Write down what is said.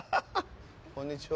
こんにちは。